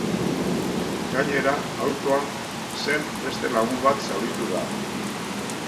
Gainera, autoan zen beste lagun bat zauritu da.